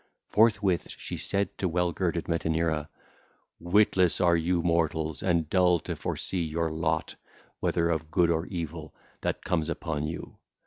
Forthwith she said to well girded Metaneira: (ll. 256 274) 'Witless are you mortals and dull to foresee your lot, whether of good or evil, that comes upon you.